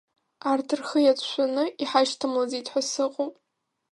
Арҭ рхы иацәшәаны иҳашьҭамлаӡеит ҳәа сыҟоуп.